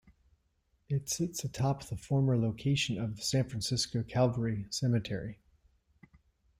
It sits atop the former location of the San Francisco Calvary Cemetery.